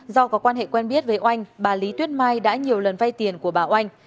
do có quan hệ quen biết với oanh bà lý tuyết mai đã nhiều lần vay tiền của bà oanh